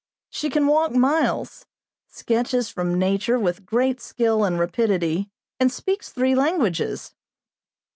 She can walk miles, sketches from nature with great skill and rapidity, and speaks three languages.